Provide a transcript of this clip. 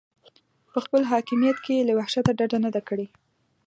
په خپل حاکمیت کې یې له وحشته ډډه نه ده کړې.